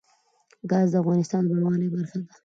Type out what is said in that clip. ګاز د افغانستان د بڼوالۍ برخه ده.